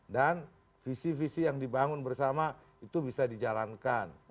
dan visi visi yang dibangun bersama itu bisa dijalankan